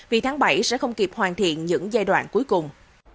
vì tháng bảy sẽ không kịp hoàn thiện những giai đoạn cuối cùng